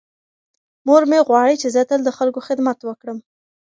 مور مې غواړي چې زه تل د خلکو خدمت وکړم.